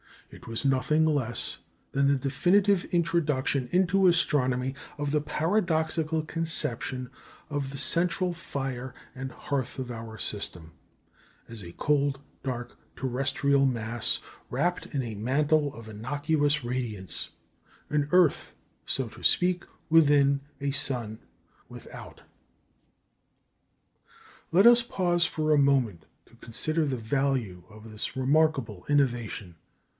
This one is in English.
It was nothing less than the definitive introduction into astronomy of the paradoxical conception of the central fire and hearth of our system as a cold, dark, terrestrial mass, wrapt in a mantle of innocuous radiance an earth, so to speak, within a sun without. Let us pause for a moment to consider the value of this remarkable innovation.